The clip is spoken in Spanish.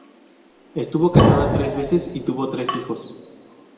Estuvo casada tres veces y tuvo tres hijos.